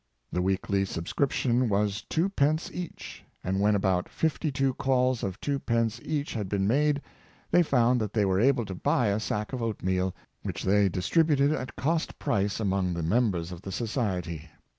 The weekly subscription was twopence each; and when about fifty two calls of twopence each had been made, they found that they were able to buy a sack of oatmeal, which they dis tributed at cost price among the members of the so ciety.